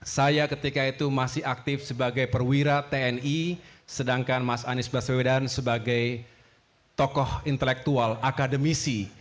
saya ketika itu masih aktif sebagai perwira tni sedangkan mas anies baswedan sebagai tokoh intelektual akademisi